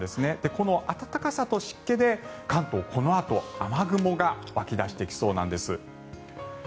この暖かさと湿気で関東、このあと雨雲が湧き出してきそうなんです。